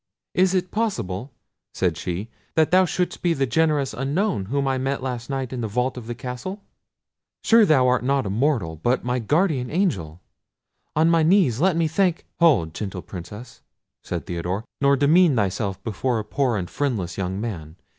"Is it possible," said she, "that thou shouldst be the generous unknown whom I met last night in the vault of the castle? Sure thou art not a mortal, but my guardian angel. On my knees, let me thank—" "Hold! gentle Princess," said Theodore, "nor demean thyself before a poor and friendless young man.